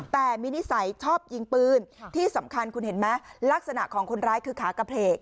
แต่มีนิสัยชอบยิงปืนที่สำคัญคุณเห็นไหมลักษณะของคนร้ายคือขากระเพลก